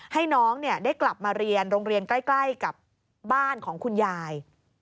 ให้น้องได้กลับมาเรียนโรงเรียนใกล้กับบ้านของคุณยาย